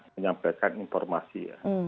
menyampaikan informasi ya